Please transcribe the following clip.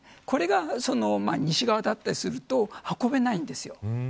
これが西側だったりすると運べないんです。